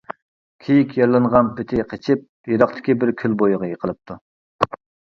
كېيىك يارىلانغان پېتى قېچىپ، يىراقتىكى بىر كۆل بويىغا يىقىلىپتۇ.